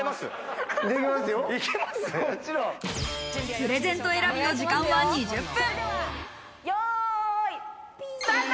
プレゼント選びの時間は２０分。